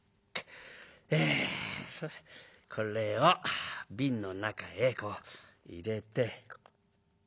えこれを瓶の中へこう入れて。